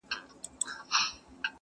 بس همدومره مي زده کړي له استاده؛